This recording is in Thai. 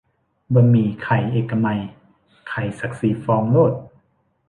บะหมี่ไข่เอกมัย ไข่ซักสี่ฟองโลด